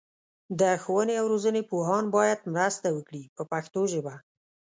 د ښوونې او روزنې پوهان باید مرسته وکړي په پښتو ژبه.